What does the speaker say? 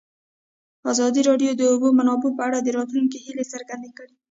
ازادي راډیو د د اوبو منابع په اړه د راتلونکي هیلې څرګندې کړې.